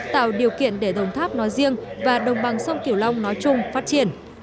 tạo điều kiện để đồng tháp nói riêng và đồng bằng sông kiểu long nói chung phát triển